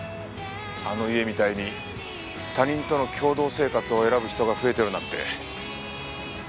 あの家みたいに他人との共同生活を選ぶ人が増えてるなんて。